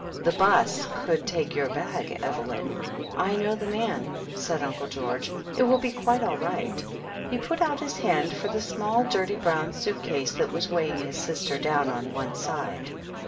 "The 'bus could take your bag, Evelyn. I know the man,'* said Uncle George. "It will be quite all right." He put out his hand for the small, dirty, brown suit case that was weighing his sister down on one side.